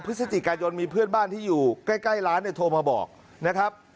พฤศจิกายนมีเพื่อนบ้านที่อยู่ใกล้ร้านเนี่ยโทรมาบอกนะครับ